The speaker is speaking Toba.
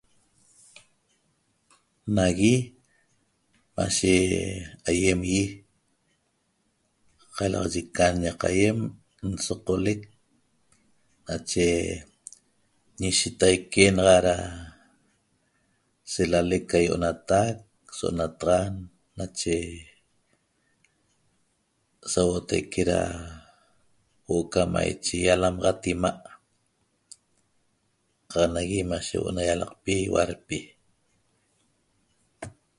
nagui mashe ayem yi qalaxaye qan ñaq ayem nsoqolec nache ñeshetaique naxa da seilalec ca ionatac so'onataxan nache sahuotaique da huo'o qa maiche yalamaxat ima qaa naguii mashe huo na yalacpi ihualpi